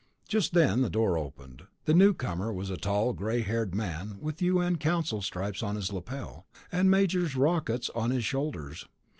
Just then the door opened. The newcomer was a tall, gray haired man with U.N. Council stripes on his lapel, and major's rockets on his shoulders.